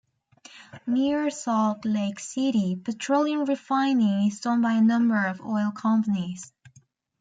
Near Salt Lake City, petroleum refining is done by a number of oil companies.